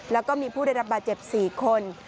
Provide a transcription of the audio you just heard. แล้วก็มีผู้ได้รับบาดเจ็บ๔คน